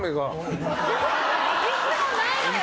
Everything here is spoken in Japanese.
いつもないのよ！